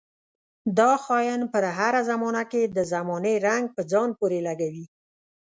دا خاين پر هره زمانه کې د زمانې رنګ په ځان پورې لګوي.